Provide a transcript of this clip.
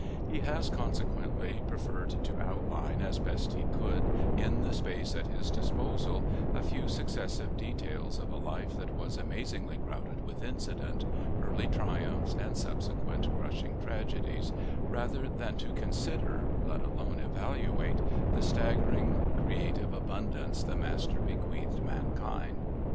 He has, consequently, preferred to outline as best he could in the space at his disposal a few successive details of a life that was amazingly crowded with incident, early triumphs, and subsequent crushing tragedies, rather than to consider (let alone evaluate) the staggering creative abundances the master bequeathed mankind.